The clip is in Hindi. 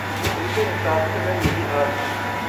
उसके हिसाब से, वह नहीं आ रहा।